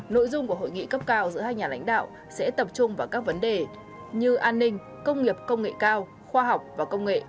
nội dung của hội nghị cấp cao giữa hai nhà lãnh đạo sẽ tập trung vào các vấn đề như an ninh công nghiệp công nghệ cao khoa học và công nghệ